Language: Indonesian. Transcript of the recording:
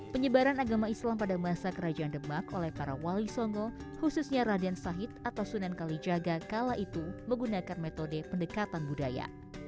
penyebaran agama islam pada masa kerajaan demak oleh para wali songo khususnya raden sahid atau sunan kalijaga kala itu menggunakan metode pendekatan budaya